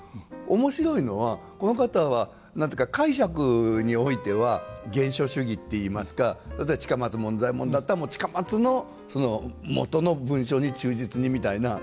面白いのはこの方は解釈においては原書主義っていいますか例えば近松門左衛門だったら近松のもとの文章に忠実にみたいな。